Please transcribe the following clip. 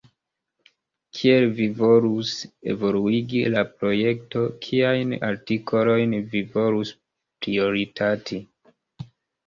Kiel vi volus evoluigi la projekton, kiajn artikolojn vi volus prioritati?